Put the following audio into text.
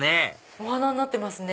お花になってますね。